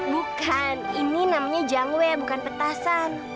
bukan ini namanya jangwe bukan petasan